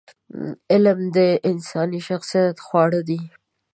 علم د انساني شخصیت خواړه دي.